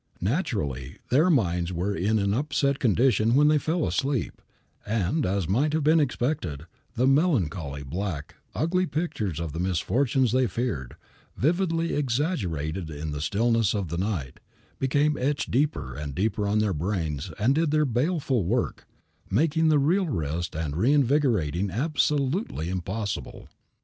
Naturally, their minds were in an upset condition when they fell asleep, and, as might have been expected, the melancholy, black, ugly pictures of the misfortunes they feared, vividly exaggerated in the stillness of the night, became etched deeper and deeper on their brains and did their baleful work, making real rest and reinvigoration absolutely impossible.